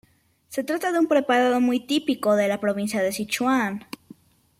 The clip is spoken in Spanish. Se trata de un preparado muy típico de la provincia de Sichuan.